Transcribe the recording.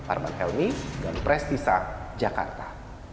arman helmi dan prestisa jakarta